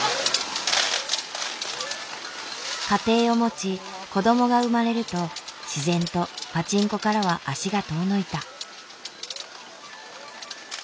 家庭を持ち子供が生まれると自然とパチンコからは足が遠のいた。